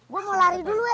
gua mau lari dulu ya